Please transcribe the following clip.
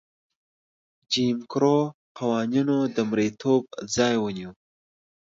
جیم کرو قوانینو د مریتوب ځای ونیو.